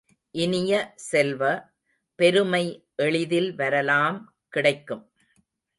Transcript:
இனிய செல்வ, பெருமை எளிதில் வரலாம் கிடைக்கும்.